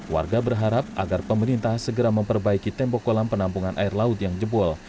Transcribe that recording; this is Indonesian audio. warga berharap agar pemerintah segera memperbaiki tembok kolam penampungan air laut yang jebol